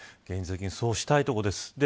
現実的にそうしたいところです。